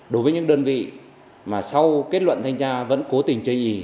đối với những đơn vị mà sau kết luận thanh tra vẫn cố tình chơi gì